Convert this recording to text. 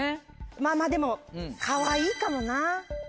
まぁまぁでも「かわいい」かもな。